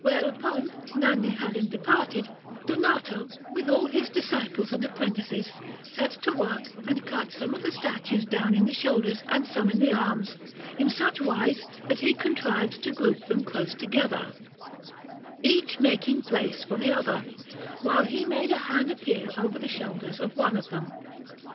Whereupon, Nanni having departed, Donato, with all his disciples and apprentices, set to work and cut some of the statues down in the shoulders and some in the arms, in such wise that he contrived to group them close together, each making place for the other, while he made a hand appear over the shoulders of one of them.